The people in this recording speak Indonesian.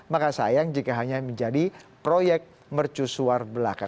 maka sayang jika hanya menjadi proyek mercusuar belaka